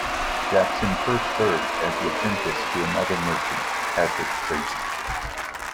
Jackson first served as an apprentice to another merchant, Patrick Tracy.